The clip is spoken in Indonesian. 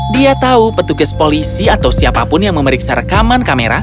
dia tahu petugas polisi atau siapapun yang memeriksa rekaman kamera